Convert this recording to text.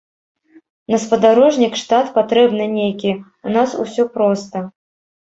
На спадарожнік штат патрэбны нейкі, у нас усё проста.